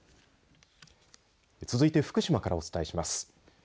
続いて、福島からお伝えします。